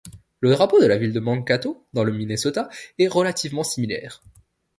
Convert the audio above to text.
Le drapeau de la ville de Mankato dans le Minnesota est relativement similaire.